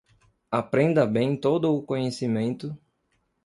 Aprenda bem todo o conhecimento